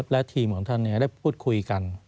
และทีมของท่านได้พูดคุยกัน